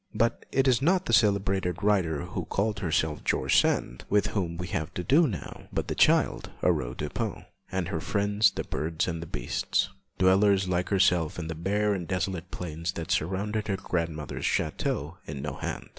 But it is not the celebrated writer who called herself 'George Sand' with whom we have to do now, but the child Aurore Dupin, and her friends the birds and beasts, dwellers like herself in the bare and desolate plains that surrounded her grandmother's château of Nohant.